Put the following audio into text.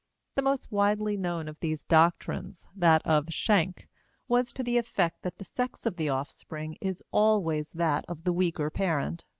The most widely known of these doctrines, that of Schenck, was to the effect that the sex of the offspring is always that of the weaker parent.